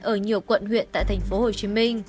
ở nhiều quận huyện tại tp hcm